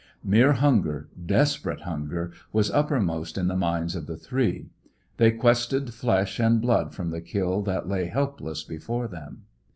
Mere hunger, desperate hunger, was uppermost in the minds of the three. They quested flesh and blood from the kill that lay helpless before them.